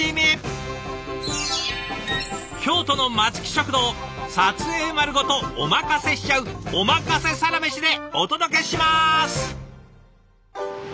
京都の松木食堂撮影丸ごとおまかせしちゃう「おまかせサラメシ」でお届けします。